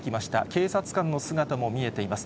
警察官の姿も見えています。